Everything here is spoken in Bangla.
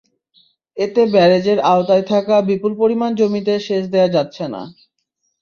এতে ব্যারাজের আওতায় থাকা বিপুল পরিমাণ জমিতে সেচ দেওয়া যাচ্ছে না।